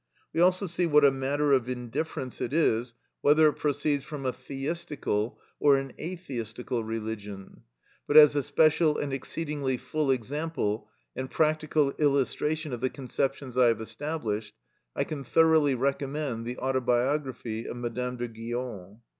We also see what a matter of indifference it is whether it proceeds from a theistical or an atheistical religion. But as a special and exceedingly full example and practical illustration of the conceptions I have established, I can thoroughly recommend the "Autobiography of Madame de Guion."